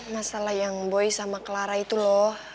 masalah yang boy sama clara itu loh